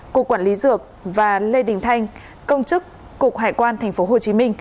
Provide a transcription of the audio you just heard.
cục quản lý dược và lê đình thanh công chức cục hải quan tp hcm